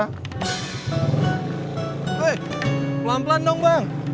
hei pelan pelan dong bang